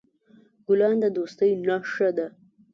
ګلان د دوستی نښه ده.